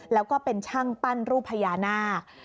แล้วก็เป็นช่างปั้นรูปพญานาค